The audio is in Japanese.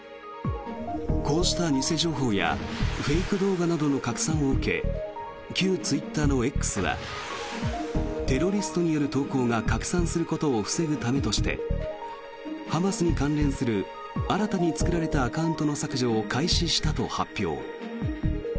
こうした偽情報やフェイク動画などの拡散を受け旧ツイッターのＸはテロリストによる投稿が拡散することを防ぐためとしてハマスに関連する新たに作られたアカウントの削除を開始したと発表。